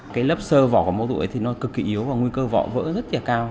cái lớp sơ vỏ của mô tuổi thì nó cực kỳ yếu và nguy cơ vỡ rất là cao